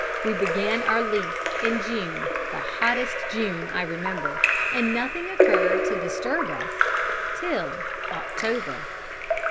We began our lease in June the hottest June I remember and nothing occurred to disturb us till October.